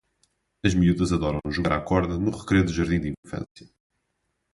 As miúdas adoram jogar à corda no recreio do jardim de infância.